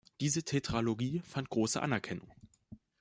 Diese Tetralogie fand große Anerkennung.